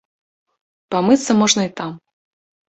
Памыцца можна і там.